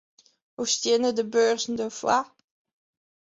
Hoe steane de beurzen derfoar?